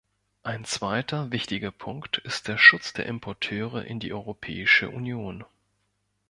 Ein zweiter wichtiger Punkt ist der Schutz der Importeure in die Europäische Union.